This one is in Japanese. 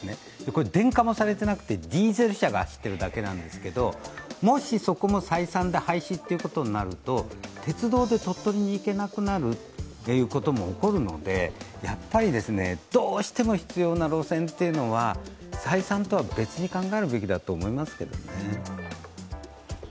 これ電化もされてなくてディーゼル車が走ってるだけなんですけどもしそこも採算で廃止ということになると、鉄道で鳥取に行けなくなるということも起こるのでやっぱりどうしても必要な路線っていうのは採算とは別に考えるべきだと思いますけどね。